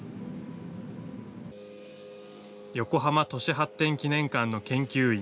横浜都市発展記念館の研究員